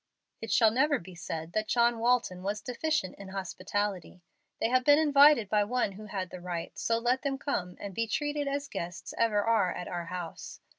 "It shall never be said that John Walton was deficient in hospitality. They have been invited by one who had the right, so let them come, and be treated as guests ever are at our house.